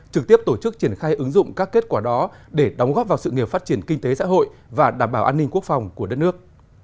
trực tiếp tổ chức triển khai ứng dụng các kết quả đó để đóng góp vào sự nghiệp phát triển kinh tế xã hội và đảm bảo an ninh quốc phòng của đất nước